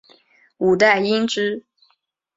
五代因之。